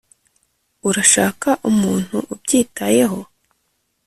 urashaka umuntu ubyitayeho